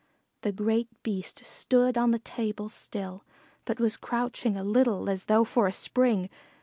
The great Beast stood on the table still, but was crouching a little as though for a spring.